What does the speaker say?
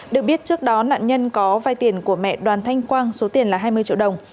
được biết trước đó nạn nhân có vai tiền của mẹ đoàn thanh quang số tiền là hai mươi triệu đồng